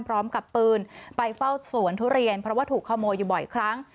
พร้อมกับปืนไปเฝ้าสวนทุเรียนเพราะว่าถูกขโมยอยู่บ่อยครั้ง